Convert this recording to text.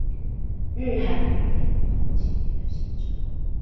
日韓五天到七天的行程